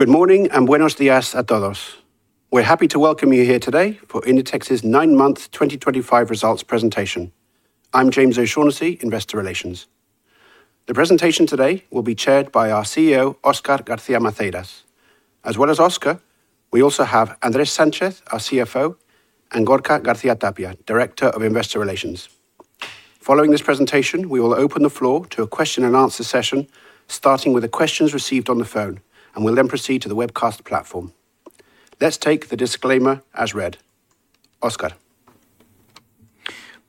Good morning, and buenos días a todos. We're happy to Welcome you here today for Inditex's nine month 2025 results presentation. I'm James O'Shaughnessy, Investor Relations. The presentation today will be chaired by our CEO, Oscar García Maceiras. As well as Oscar, we also have Andrés Sánchez, our CFO, and Gorka García-Tapia, Director of Investor Relations. Following this presentation, we will open the floor to a question-and-answer session, starting with the questions received on the phone, and we'll then proceed to the webcast platform. Let's take the disclaimer as read. Oscar.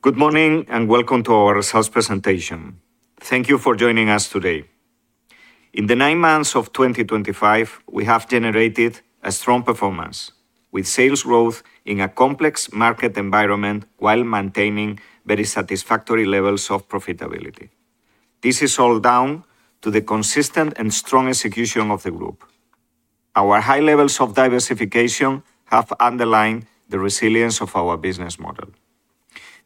Good morning and welcome to our results presentation. Thank you for joining us today. In the nine months of 2025, we have generated a strong performance, with sales growth in a complex market environment while maintaining very satisfactory levels of profitability. This is all down to the consistent and strong execution of the group. Our high levels of diversification have underlined the resilience of our business model.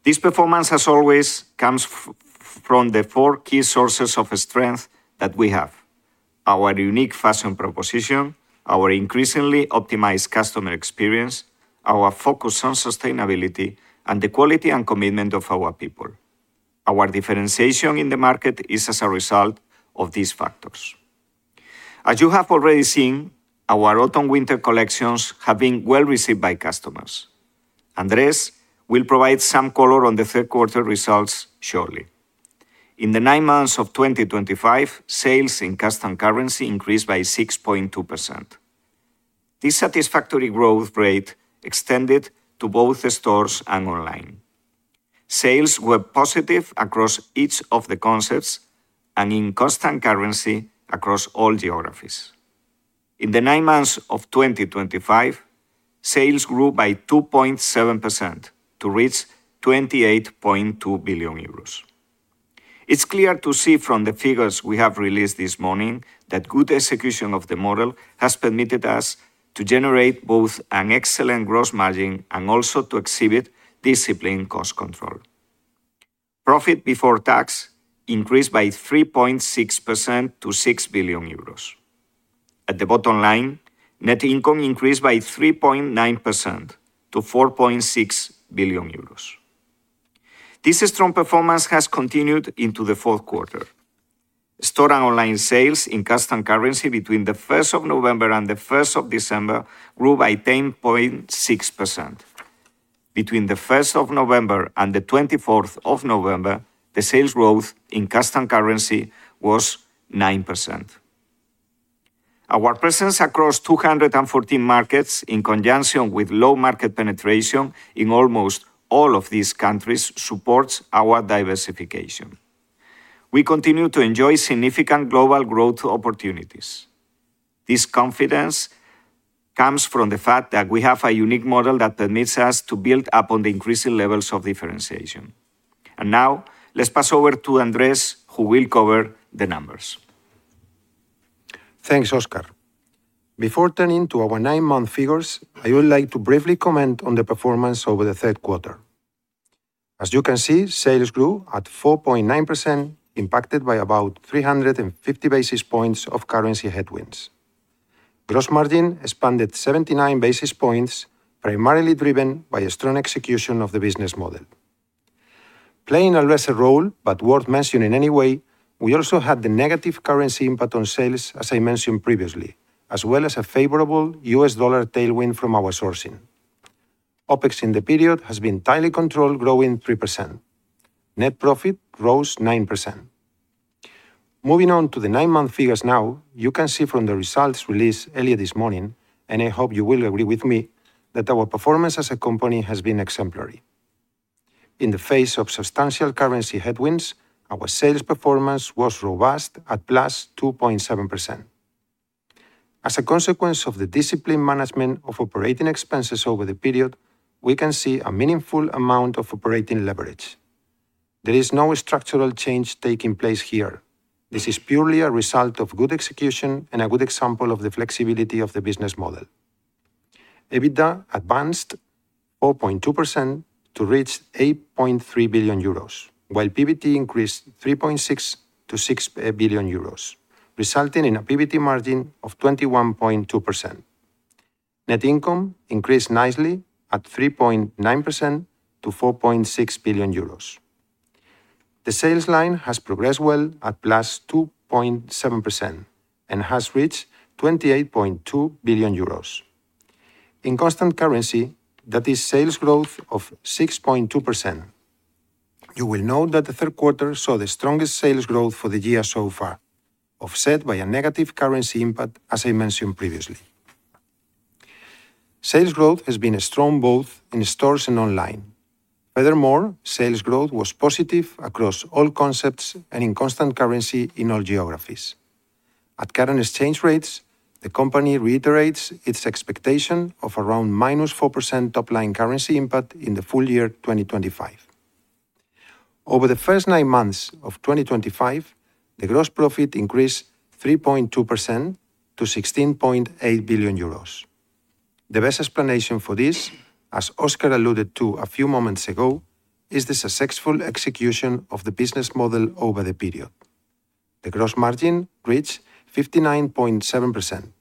This performance, as always, comes from the four key sources of strength that we have: our unique fashion proposition, our increasingly optimized customer experience, our focus on sustainability, and the quality and commitment of our people. Our differentiation in the market is as a result of these factors. As you have already seen, our Autumn/Winter collections have been well received by customers. Andrés will provide some color on the third-quarter results shortly. In the nine months of 2025, sales in constant currency increased by 6.2%. This satisfactory growth rate extended to both the stores and online. Sales were positive across each of the concepts and in constant currency across all geographies. In the nine months of 2025, sales grew by 2.7% to reach 28.2 billion euros. It's clear to see from the figures we have released this morning that good execution of the model has permitted us to generate both an excellent gross margin and also to exhibit disciplined cost control. Profit before tax increased by 3.6% to 6 billion euros. At the bottom line, net income increased by 3.9% to 4.6 billion euros. This strong performance has continued into the fourth quarter. Store and online sales in constant currency between the 1st of November and the 1st of December grew by 10.6%. Between the 1st of November and the 24th of November, the sales growth in constant currency was 9%. Our presence across 214 markets, in conjunction with low market penetration in almost all of these countries, supports our diversification. We continue to enjoy significant global growth opportunities. This confidence comes from the fact that we have a unique model that permits us to build upon the increasing levels of differentiation. And now, let's pass over to Andrés, who will cover the numbers. Thanks, Óscar. Before turning to our nine month figures, I would like to briefly comment on the performance over the third quarter. As you can see, sales grew at 4.9%, impacted by about 350 basis points of currency headwinds. Gross margin expanded 79 basis points, primarily driven by strong execution of the business model. Playing a lesser role, but worth mentioning in any way, we also had the negative currency impact on sales, as I mentioned previously, as well as a favorable U.S. dollar tailwind from our sourcing. OpEx in the period has been tightly controlled, growing 3%. Net profit rose 9%. Moving on to the nine month figures now, you can see from the results released earlier this morning, and I hope you will agree with me, that our performance as a company has been exemplary. In the face of substantial currency headwinds, our sales performance was robust at +2.7%. As a consequence of the disciplined management of operating expenses over the period, we can see a meaningful amount of operating leverage. There is no structural change taking place here. This is purely a result of good execution and a good example of the flexibility of the business model. EBITDA advanced 4.2% to reach 8.3 billion euros, while PBT increased 3.6% to 6 billion euros, resulting in a PBT margin of 21.2%. Net income increased nicely at 3.9% to 4.6 billion euros. The sales line has progressed well at plus 2.7% and has reached 28.2 billion euros. In constant currency, that is sales growth of 6.2%. You will note that the third quarter saw the strongest sales growth for the year so far, offset by a negative currency impact, as I mentioned previously. Sales growth has been strong both in stores and online. Furthermore, sales growth was positive across all concepts and in constant currency in all geographies. At current exchange rates, the company reiterates its expectation of around -4% top-line currency impact in the full year 2025. Over the first nine months of 2025, the gross profit increased 3.2% to 16.8 billion euros. The best explanation for this, as Oscar alluded to a few moments ago, is the successful execution of the business model over the period. The gross margin reached 59.7%.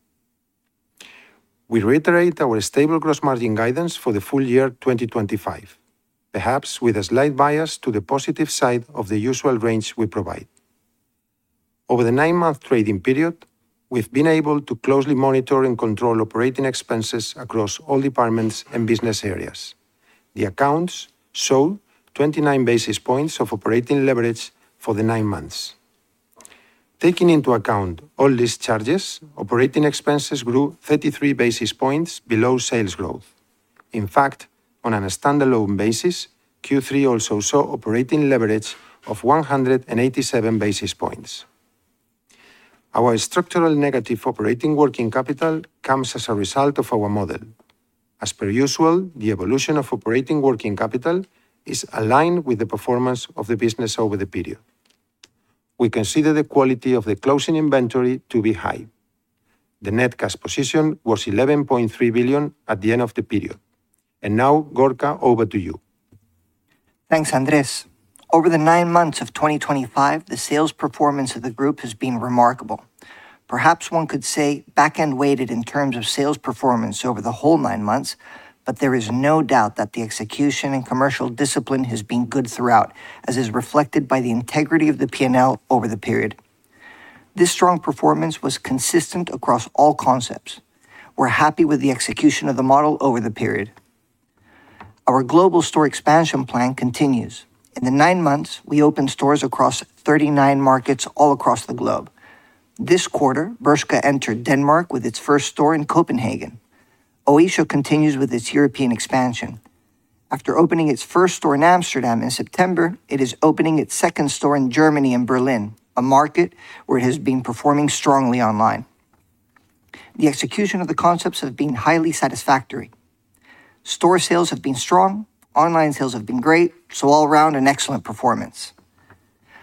We reiterate our stable gross margin guidance for the full year 2025, perhaps with a slight bias to the positive side of the usual range we provide. Over the nine-month trading period, we've been able to closely monitor and control operating expenses across all departments and business areas. The accounts showed 29 basis points of operating leverage for the nine months. Taking into account all these charges, operating expenses grew 33 basis points below sales growth. In fact, on a standalone basis, Q3 also saw operating leverage of 187 basis points. Our structural negative operating working capital comes as a result of our model. As per usual, the evolution of operating working capital is aligned with the performance of the business over the period. We consider the quality of the closing inventory to be high. The net cash position was 11.3 billion at the end of the period. And now, Gorka, over to you. Thanks, Andrés. Over the nine months of 2025, the sales performance of the group has been remarkable. Perhaps one could say back-end-weighted in terms of sales performance over the whole nine months, but there is no doubt that the execution and commercial discipline has been good throughout, as is reflected by the integrity of the P&L over the period. This strong performance was consistent across all concepts. We're happy with the execution of the model over the period. Our global store expansion plan continues. In the nine months, we opened stores across 39 markets all across the globe. This quarter, Bershka entered Denmark with its first store in Copenhagen. Oysho continues with its European expansion. After opening its first store in Amsterdam in September, it is opening its second store in Germany and Berlin, a market where it has been performing strongly online. The execution of the concepts has been highly satisfactory. Store sales have been strong, online sales have been great, so all-around an excellent performance.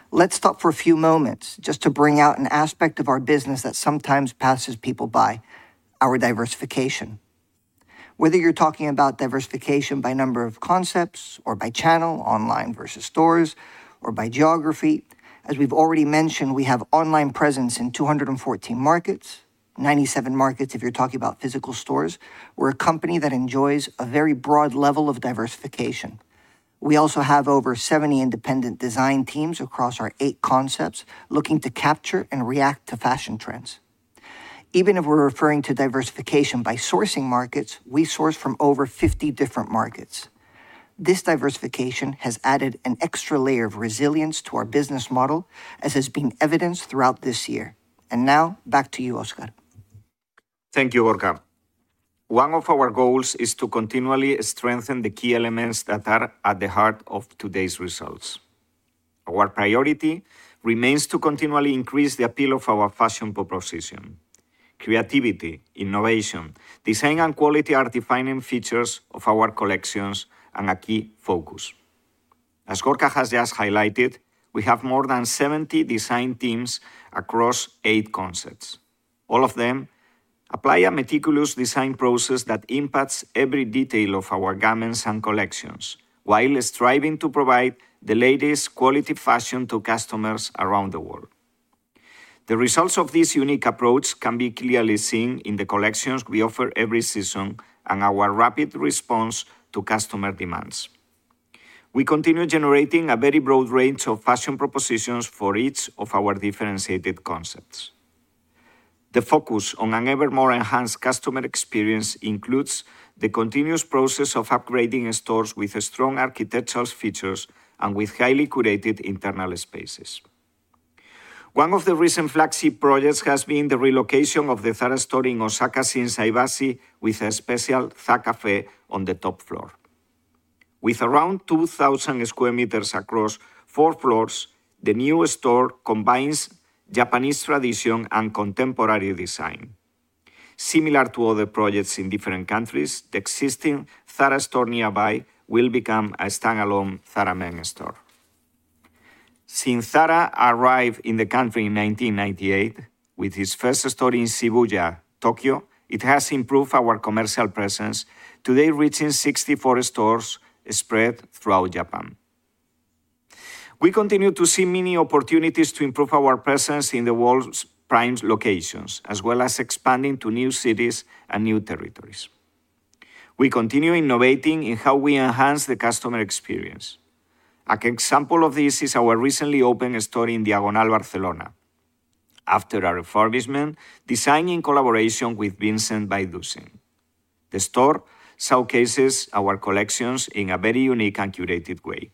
Let's stop for a few moments just to bring out an aspect of our business that sometimes passes people by: our diversification. Whether you're talking about diversification by number of concepts, or by channel, online versus stores, or by geography, as we've already mentioned, we have online presence in 214 markets, 97 markets if you're talking about physical stores. We're a company that enjoys a very broad level of diversification. We also have over 70 independent design teams across our 8 concepts looking to capture and react to fashion trends. Even if we're referring to diversification by sourcing markets, we source from over 50 different markets. This diversification has added an extra layer of resilience to our business model, as has been evidenced throughout this year. And now, back to you, Óscar. Thank you, Gorka. Our objective has always been to continually strengthen and reinforce the key pillars of our highly integrated business model. As has always been the case, our first priority is to enhance the appeal of our commercial proposition. After all, it is the creativity, innovation, design, and quality of our collections that will determine our success going forward. Thanks to our more than 70 designers and our prototype teams, every meticulous detail in the design process is taken care of, enabling us to offer the highest quality fashion to customers in all corners of the globe. The end result of our unique approach is the integration of the physical with the online experience in a seamless manner that permits us, across multiple formats, to rapidly react to changing fashion trends and offer the latest collections. The focus on an ever more enhanced customer experience includes the continuous process of upgrading stores with strong architectural features and with highly curated internal spaces. One of the recent flagship projects has been the relocation of the third store in Osaka Shinsaibashi, with a special Zacaffè on the top floor. With around 2,000 square meters across four floors, the new store combines Japanese tradition and contemporary design. Similar to other projects in different countries, the existing Zara store nearby will become a standalone Zara Man store. Since Zara arrived in the country in 1998 with its first store in Shibuya, Tokyo, it has improved our commercial presence, today reaching 64 stores spread throughout Japan. We continue to see many opportunities to improve our presence in the world's prime locations, as well as expanding to new cities and new territories. We continue innovating in how we enhance the customer experience. An example of this is our recently opened store in Diagonal, Barcelona, after a refurbishment designed in collaboration with Vincent Van Duysen. The store showcases our collections in a very unique and curated way.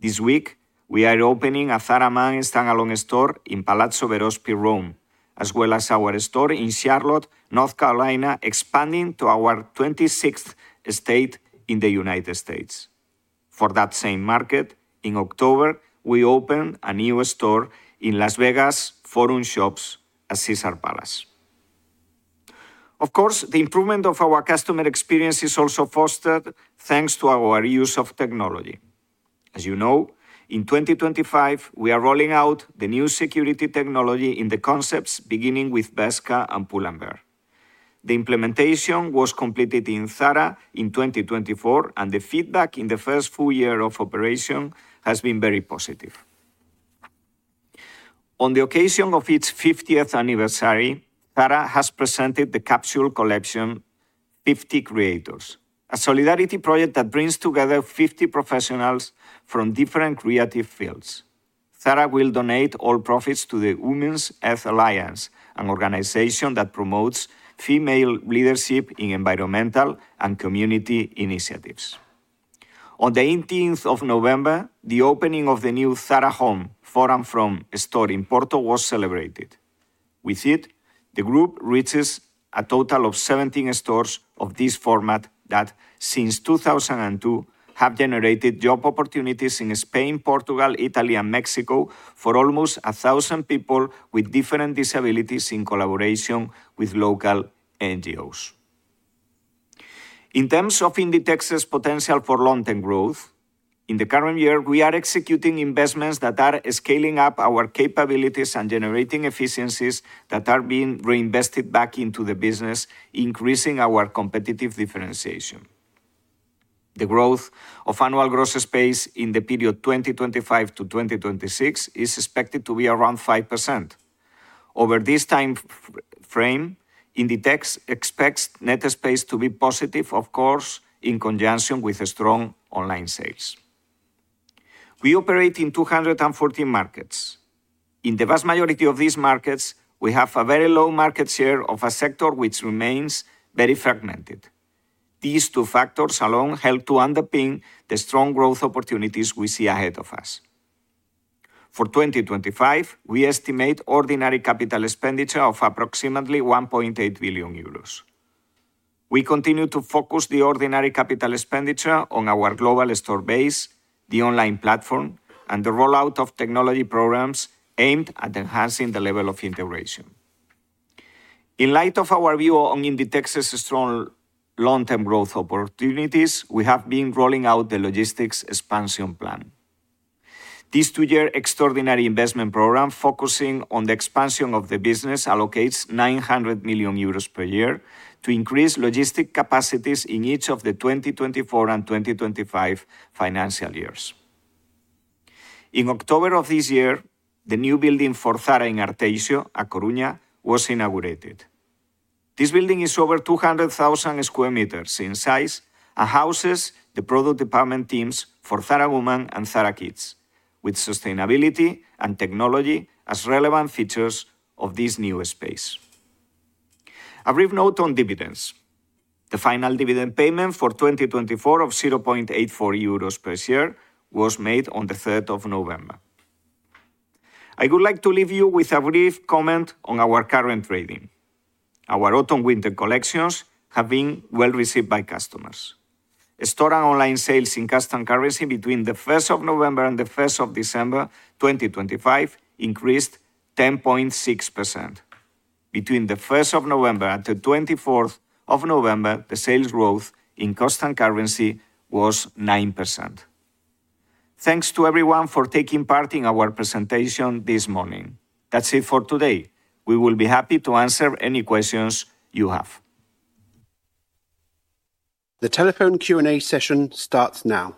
This week, we are opening a Zara Man standalone store in Palazzo Verospi, Rome, as well as our store in Charlotte, North Carolina, expanding to our 26th state in the United States. For that same market, in October, we opened a new store in Las Vegas The Forum Shops at Caesars Palace. Of course, the improvement of our customer experience is also fostered thanks to our use of technology. As you know, in 2025, we are rolling out the new security technology in the concepts beginning with Bershka and Pull&Bear. The implementation was completed in Zara in 2024, and the feedback in the first full year of operation has been very positive. On the occasion of its 50th anniversary, Zara has presented the 50 Creators capsule collection, a solidarity project that brings together 50 professionals from different creative fields. Zara will donate all profits to the Women's Health Alliance, an organization that promotes female leadership in environmental and community initiatives. On the 18th of November, the opening of the new Zara Home for&from store in Porto was celebrated. With it, the group reaches a total of 17 stores of this format that, since 2002, have generated job opportunities in Spain, Portugal, Italy, and Mexico for almost 1,000 people with different disabilities in collaboration with local NGOs. In terms of Inditex's potential for long-term growth, in the current year, we are executing investments that are scaling up our capabilities and generating efficiencies that are being reinvested back into the business, increasing our competitive differentiation. The growth of annual gross space in the period 2025-2026 is expected to be around 5%. Over this time frame, Inditex expects net space to be positive, of course, in conjunction with strong online sales. We operate in 214 markets. In the vast majority of these markets, we have a very low market share of a sector which remains very fragmented. These two factors alone help to underpin the strong growth opportunities we see ahead of us. For 2025, we estimate ordinary capital expenditure of approximately 1.8 billion euros. We continue to focus the ordinary capital expenditure on our global store base, the online platform, and the rollout of technology programs aimed at enhancing the level of integration. In light of our view on Inditex's strong long-term growth opportunities, we have been rolling out the logistics expansion plan. This two-year extraordinary investment program, focusing on the expansion of the business, allocates 900 million euros per year to increase logistics capacities in each of the 2024 and 2025 financial years. In October of this year, the new building for Zara in Arteixo, (A Coruña), was inaugurated. This building is over 200,000 square meters in size and houses the product department teams for Zara Woman and Zara Kids, with sustainability and technology as relevant features of this new space. A brief note on dividends: the final dividend payment for 2024 of 0.84 euros per year was made on the 3rd of November. I would like to leave you with a brief comment on our current trading. Our autumn-winter collections have been well received by customers. Store and online sales in constant currency between the 1st of November and the 1st of December 2025 increased 10.6%. Between the 1st of November and the 24th of November, the sales growth in constant currency was 9%. Thanks to everyone for taking part in our presentation this morning. That's it for today. We will be happy to answer any questions you have. The telephone Q&A session starts now.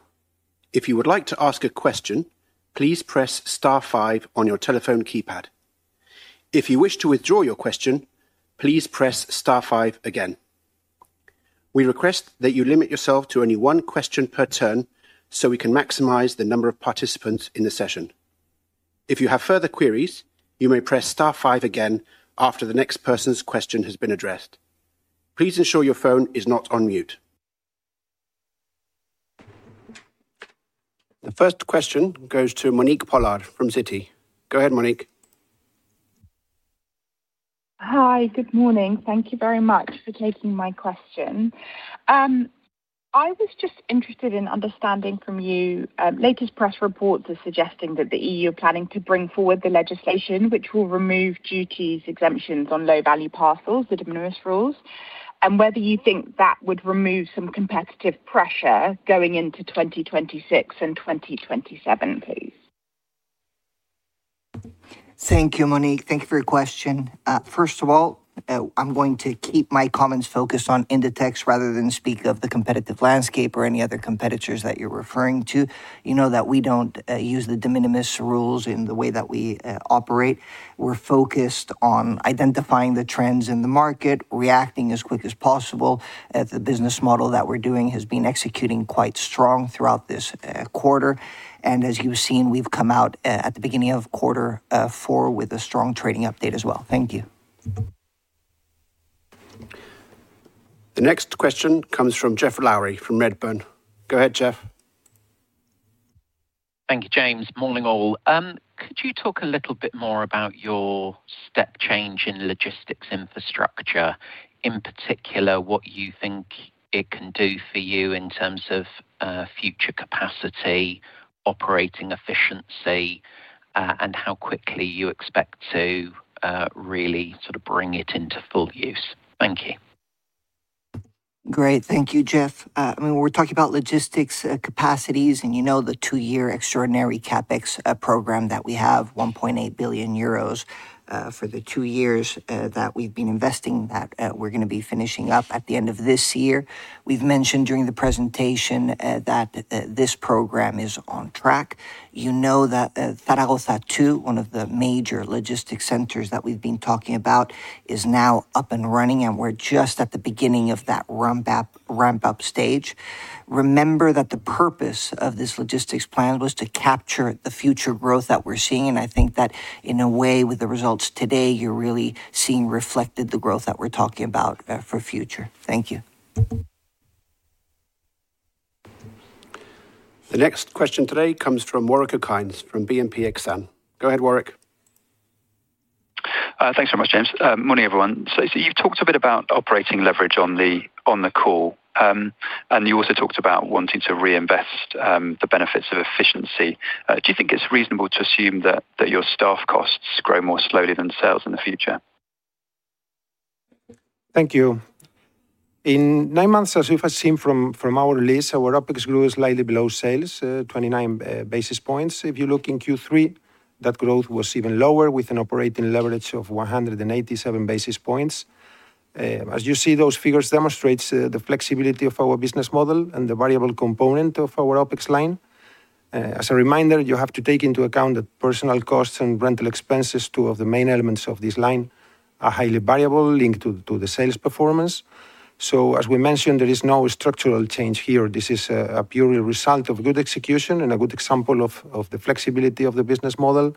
If you would like to ask a question, please press star five on your telephone keypad. If you wish to withdraw your question, please press star five again. We request that you limit yourself to only one question per turn so we can maximize the number of participants in the session. If you have further queries, you may press star five again after the next person's question has been addressed. Please ensure your phone is not on mute. The first question goes to Monique Pollard from Citi. Go ahead, Monique. Hi, good morning. Thank you very much for taking my question. I was just interested in understanding from you. Latest press reports are suggesting that the E.U. are planning to bring forward the legislation which will remove duties exemptions on low-value parcels, the de minimis rules, and whether you think that would remove some competitive pressure going into 2026 and 2027, please? Thank you, Monique. Thank you for your question. First of all, I'm going to keep my comments focused on Inditex rather than speak of the competitive landscape or any other competitors that you're referring to. You know that we don't use the de minimis rules in the way that we operate. We're focused on identifying the trends in the market, reacting as quick as possible as the business model that we're doing has been executing quite strong throughout this quarter. And as you've seen, we've come out at the beginning of quarter four with a strong trading update as well. Thank you. The next question comes from Geoff Lowery from Redburn. Go ahead, Geoff. Thank you, James. Morning all. Could you talk a little bit more about your step change in logistics infrastructure, in particular what you think it can do for you in terms of future capacity, operating efficiency, and how quickly you expect to really sort of bring it into full use? Thank you. Great. Thank you, Jeff. I mean, we're talking about logistics capacities, and you know the two-year extraordinary CapEx program that we have, 1.8 billion euros for the two years that we've been investing in that we're going to be finishing up at the end of this year. We've mentioned during the presentation that this program is on track. You know that Zaragoza II, one of the major logistics centers that we've been talking about, is now up and running, and we're just at the beginning of that ramp-up stage. Remember that the purpose of this logistics plan was to capture the future growth that we're seeing, and I think that in a way, with the results today, you're really seeing reflected the growth that we're talking about for future. Thank you. The next question today comes from Warwick Okines from BNP Exane. Go ahead, Warwick. Thanks very much, James. Morning, everyone. So you've talked a bit about operating leverage on the call, and you also talked about wanting to reinvest the benefits of efficiency. Do you think it's reasonable to assume that your staff costs grow more slowly than sales in the future? Thank you. In nine months, as we've seen from our list, our OpEx grew slightly below sales, 29 basis points. If you look in Q3, that growth was even lower with an operating leverage of 187 basis points. As you see, those figures demonstrate the flexibility of our business model and the variable component of our OpEx line. As a reminder, you have to take into account that personal costs and rental expenses, two of the main elements of this line, are highly variable, linked to the sales performance. So, as we mentioned, there is no structural change here. This is a purely result of good execution and a good example of the flexibility of the business model.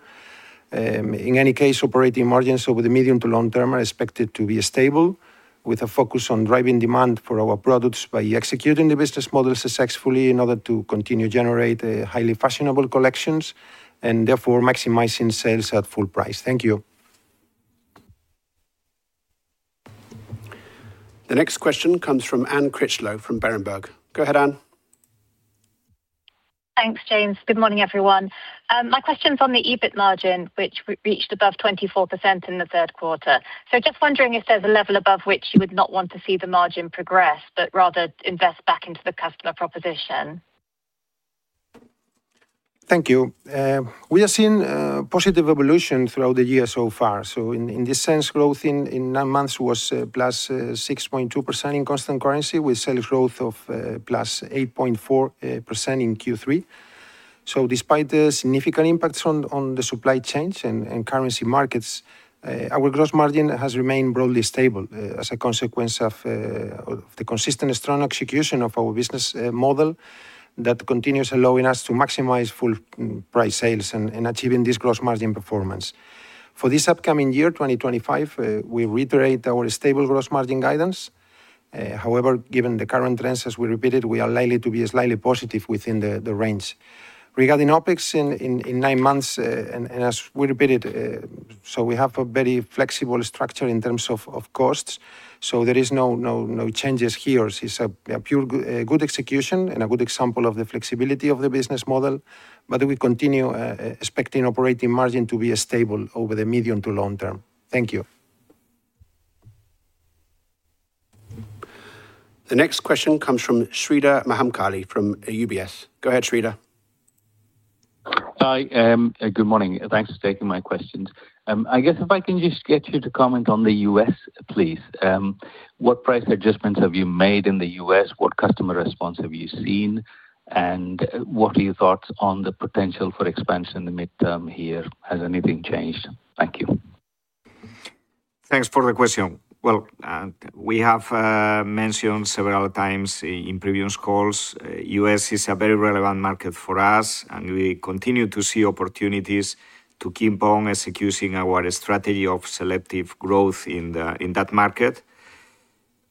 In any case, operating margins over the medium to long term are expected to be stable, with a focus on driving demand for our products by executing the business models successfully in order to continue to generate highly fashionable collections and therefore maximizing sales at full price. Thank you. The next question comes from Anne Critchlow from Berenberg. Go ahead, Anne. Thanks, James. Good morning everyone. My question's on the EBIT margin, which reached above 24% in the third quarter. So just wondering if there's a level above which you would not want to see the margin progress, but rather invest back into the customer proposition. Thank you. We have seen positive evolution throughout the year so far. So, in this sense, growth in nine months was +6.2% in constant currency, with sales growth of +8.4% in Q3. So, despite the significant impacts on the supply chains and currency markets, our gross margin has remained broadly stable as a consequence of the consistent strong execution of our business model that continues allowing us to maximize full price sales and achieving this gross margin performance. For this upcoming year, 2025, we reiterate our stable gross margin guidance. However, given the current trends, as we repeated, we are likely to be slightly positive within the range. Regarding OpEx in nine months, and as we repeated, so we have a very flexible structure in terms of costs, so there are no changes here. It's a pure good execution and a good example of the flexibility of the business model, but we continue expecting operating margin to be stable over the medium to long term. Thank you. The next question comes from Sreedhar Mahamkali from UBS. Go ahead, Sreedhar. Hi, good morning. Thanks for taking my questions. I guess if I can just get you to comment on the U.S., please. What price adjustments have you made in the U.S.? What customer response have you seen? And what are your thoughts on the potential for expansion in the medium term here? Has anything changed? Thank you. Thanks for the question. Well, we have mentioned several times in previous calls, the U.S. is a very relevant market for us, and we continue to see opportunities to keep on executing our strategy of selective growth in that market.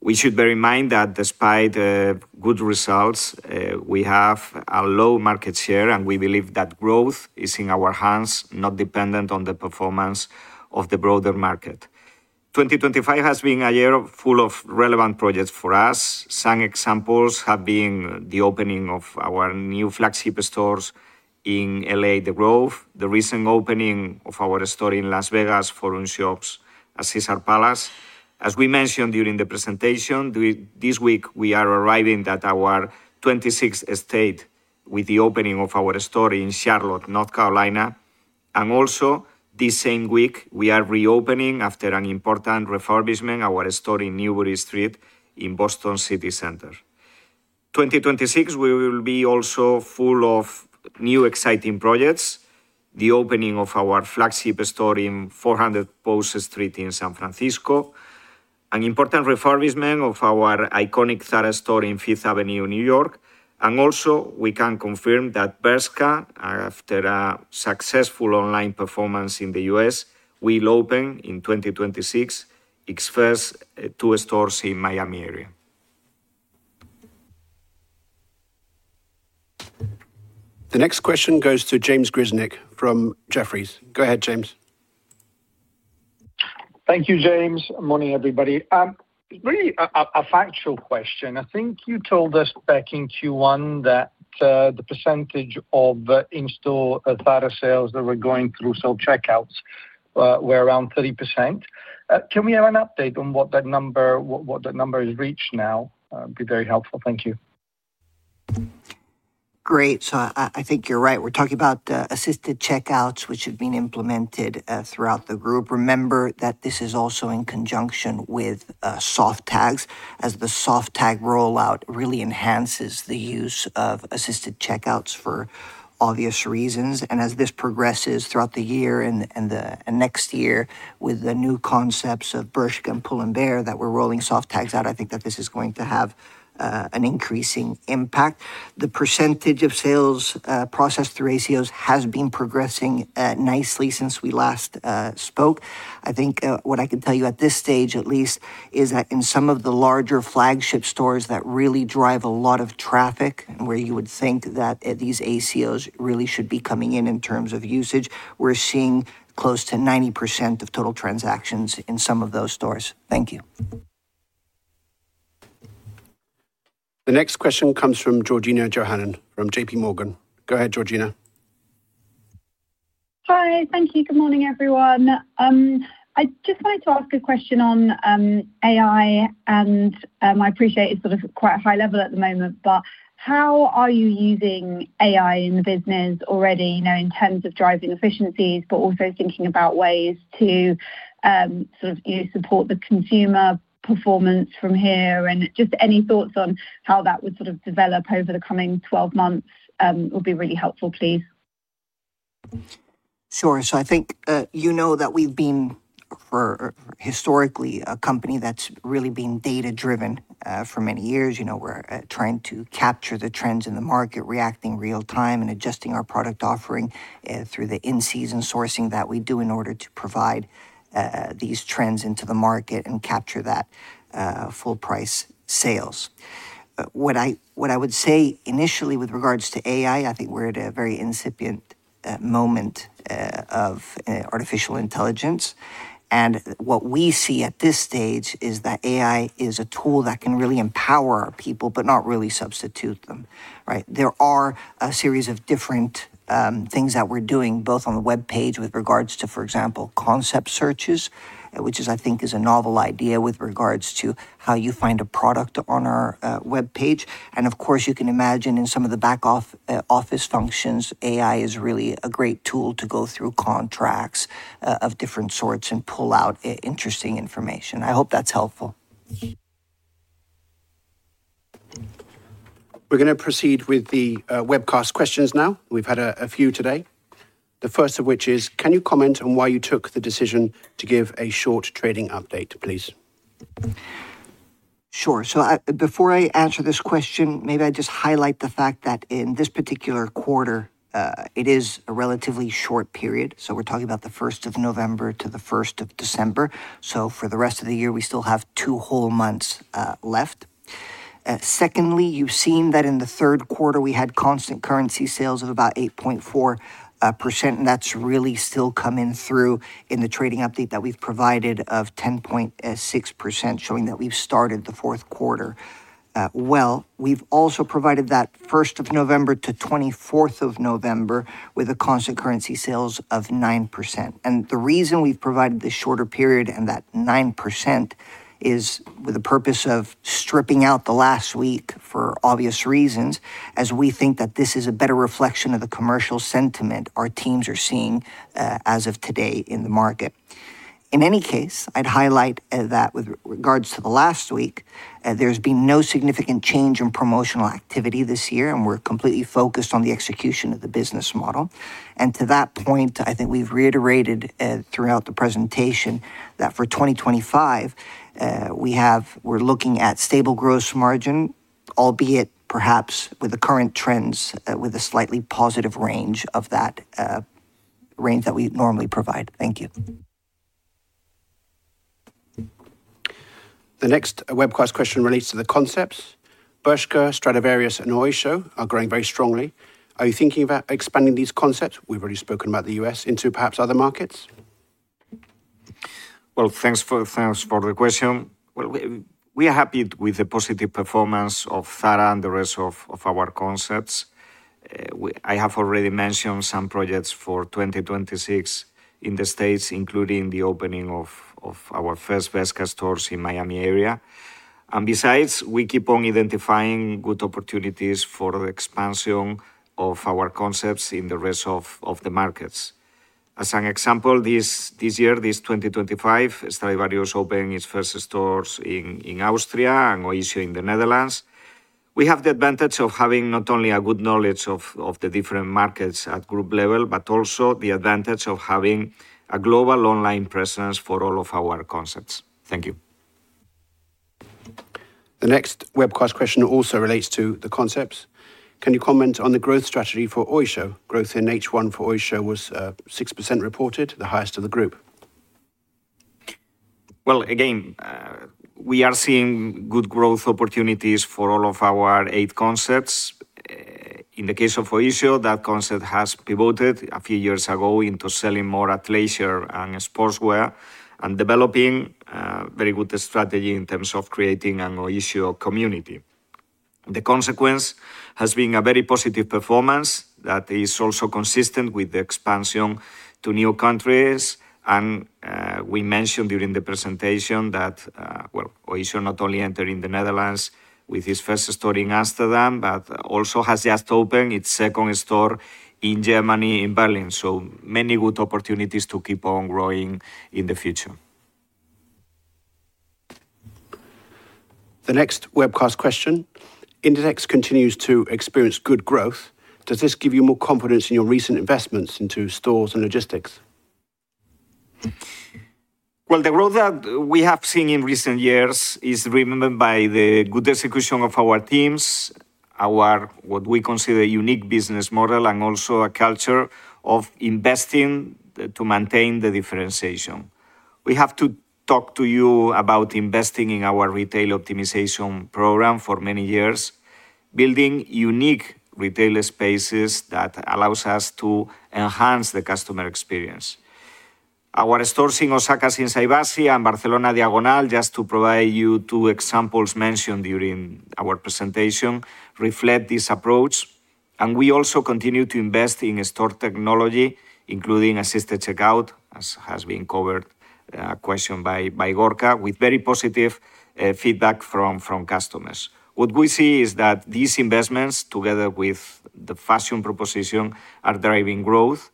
We should bear in mind that despite good results, we have a low market share, and we believe that growth is in our hands, not dependent on the performance of the broader market. 2025 has been a year full of relevant projects for us. Some examples have been the opening of our new flagship stores in LA: The Grove, the recent opening of our store in Las Vegas: The Forum Shops at Caesars Palace. As we mentioned during the presentation, this week we are arriving at our 26th state with the opening of our store in Charlotte, North Carolina. And also, this same week, we are reopening after an important refurbishment, our store in Newbury Street in Boston city center. 2026 will be also full of new exciting projects: the opening of our flagship store in 400 Post Street in San Francisco, an important refurbishment of our iconic Zara store in Fifth Avenue, New York. And also, we can confirm that Bershka, after a successful online performance in the US, will open in 2026 its first two stores in the Miami area. The next question goes to James Grzinic from Jefferies. Go ahead, James. Thank you, James. Morning everybody. It's really a factual question. I think you told us back in Q1 that the percentage of in-store Zara sales that were going through self-checkouts were around 30%. Can we have an update on what that number has reached now? It would be very helpful. Thank you. Great. So I think you're right. We're talking about assisted checkouts, which have been implemented throughout the group. Remember that this is also in conjunction with soft tags, as the soft tag rollout really enhances the use of assisted checkouts for obvious reasons. And as this progresses throughout the year and next year with the new concepts of Bershka and Pull&Bear that we're rolling soft tags out, I think that this is going to have an increasing impact. The percentage of sales processed through ACOs has been progressing nicely since we last spoke. I think what I can tell you at this stage at least is that in some of the larger flagship stores that really drive a lot of traffic and where you would think that these ACOs really should be coming in in terms of usage, we're seeing close to 90% of total transactions in some of those stores. Thank you. The next question comes from Georgina Johanan from JPMorgan. Go ahead, Georgina. Hi, thank you. Good morning everyone. I just wanted to ask a question on AI, and I appreciate it's sort of quite high level at the moment, but how are you using AI in the business already in terms of driving efficiencies, but also thinking about ways to sort of support the consumer performance from here? And just any thoughts on how that would sort of develop over the coming 12 months would be really helpful, please. Sure. So I think you know that we've been historically a company that's really been data-driven for many years. We're trying to capture the trends in the market, reacting real-time and adjusting our product offering through the in-season sourcing that we do in order to provide these trends into the market and capture that full-price sales. What I would say initially with regards to AI, I think we're at a very incipient moment of artificial intelligence, and what we see at this stage is that AI is a tool that can really empower our people, but not really substitute them. There are a series of different things that we're doing, both on the web page with regards to, for example, concept searches, which I think is a novel idea with regards to how you find a product on our web page. And of course, you can imagine in some of the back-office functions, AI is really a great tool to go through contracts of different sorts and pull out interesting information. I hope that's helpful. We're going to proceed with the webcast questions now. We've had a few today. The first of which is, can you comment on why you took the decision to give a short trading update, please? Sure. So before I answer this question, maybe I just highlight the fact that in this particular quarter, it is a relatively short period. So we're talking about the 1st of November to the 1st of December. So for the rest of the year, we still have two whole months left. Secondly, you've seen that in the third quarter, we had constant currency sales of about 8.4%, and that's really still coming through in the trading update that we've provided of 10.6%, showing that we've started the fourth quarter well. We've also provided that 1st of November to 24th of November with a constant currency sales of 9%. And the reason we've provided the shorter period and that 9% is with the purpose of stripping out the last week for obvious reasons, as we think that this is a better reflection of the commercial sentiment our teams are seeing as of today in the market. In any case, I'd highlight that with regards to the last week, there's been no significant change in promotional activity this year, and we're completely focused on the execution of the business model. And to that point, I think we've reiterated throughout the presentation that for 2025, we're looking at stable gross margin, albeit perhaps with the current trends with a slightly positive range of that range that we normally provide. Thank you. The next webcast question relates to the concepts. Bershka, Stradivarius, and Oysho are growing very strongly. Are you thinking about expanding these concepts? We've already spoken about the US into perhaps other markets. Thanks for the question. We are happy with the positive performance of Zara and the rest of our concepts. I have already mentioned some projects for 2026 in the States, including the opening of our first Bershka stores in the Miami area. Besides, we keep on identifying good opportunities for the expansion of our concepts in the rest of the markets. As an example, this year, this 2025, Stradivarius opened its first stores in Austria and Oysho in the Netherlands. We have the advantage of having not only a good knowledge of the different markets at group level, but also the advantage of having a global online presence for all of our concepts. Thank you. The next webcast question also relates to the concepts. Can you comment on the growth strategy for Oysho? Growth in H1 for Oysho was 6% reported, the highest of the group. Again, we are seeing good growth opportunities for all of our eight concepts. In the case of Oysho, that concept has pivoted a few years ago into selling more athleisure and sportswear and developing a very good strategy in terms of creating an Oysho community. The consequence has been a very positive performance that is also consistent with the expansion to new countries. We mentioned during the presentation that Oysho not only entered in the Netherlands with its first store in Amsterdam, but also has just opened its second store in Germany, in Berlin. Many good opportunities to keep on growing in the future. The next webcast question. Inditex continues to experience good growth. Does this give you more confidence in your recent investments into stores and logistics? The growth that we have seen in recent years is driven by the good execution of our teams, our what we consider unique business model, and also a culture of investing to maintain the differentiation. We have to talk to you about investing in our retail optimization program for many years, building unique retail spaces that allows us to enhance the customer experience. Our stores in Osaka, Shinsaibashi, and Barcelona Diagonal, just to provide you two examples mentioned during our presentation, reflect this approach. We also continue to invest in store technology, including assisted checkout, as has been covered in a question by Gorka, with very positive feedback from customers. What we see is that these investments, together with the fashion proposition, are driving growth.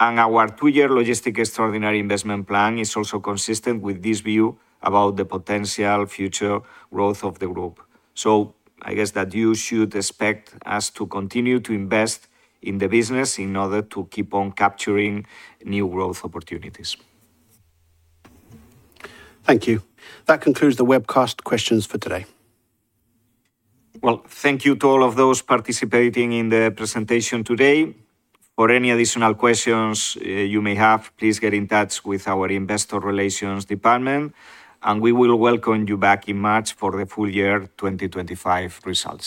Our two-year logistics extraordinary investment plan is also consistent with this view about the potential future growth of the group. So I guess that you should expect us to continue to invest in the business in order to keep on capturing new growth opportunities. Thank you. That concludes the webcast questions for today. Thank you to all of those participating in the presentation today. For any additional questions you may have, please get in touch with our investor relations department, and we will welcome you back in March for the full year 2025 results.